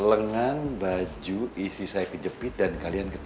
lengan baju isi saya pijepit dan kalian jepit